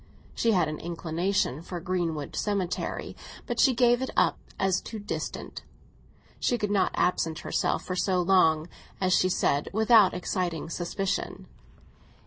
She had an inclination for Greenwood Cemetery, but she gave it up as too distant; she could not absent herself for so long, as she said, without exciting suspicion.